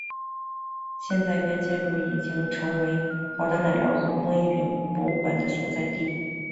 现在该建筑已成为豪达奶酪和工艺品博物馆的所在地。